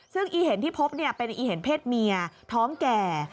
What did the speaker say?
ซึ่งอีเห็นที่พบเป็นอีเห็นเพศเมียท้องแก่